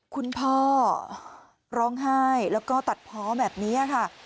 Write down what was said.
คุณพ่อร้องไห้แล้วก็ตัดเพาะแบบนี้ค่ะ